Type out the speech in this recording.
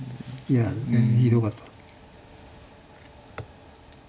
いやひどかった。